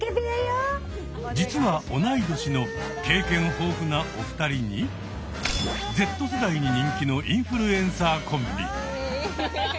実は同い年の経験豊富なお二人にＺ世代に人気のインフルエンサーコンビ。